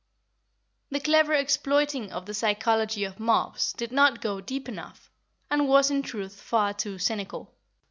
The clever exploiting of the psychology of mobs did not go deep enough, and was, in truth, far too cynical.